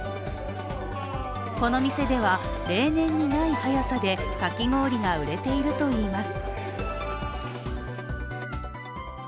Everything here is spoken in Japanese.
この店では、例年にない早さでかき氷が売れているといいます。